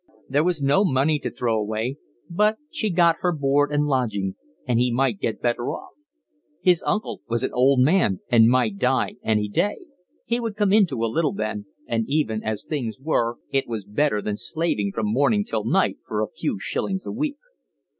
There was no money to throw away, but she got her board and lodging, and he might get better off. His uncle was an old man and might die any day, he would come into a little then, and even as things were, it was better than slaving from morning till night for a few shillings a week.